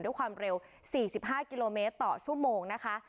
ด้วยความเร็ว๔๕กิโลเมตรต่อชั่วโมงนะคะ